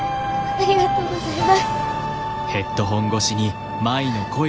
ありがとうございます。